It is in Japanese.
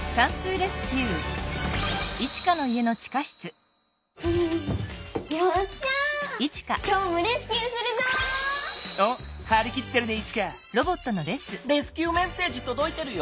レスキューメッセージとどいてるよ。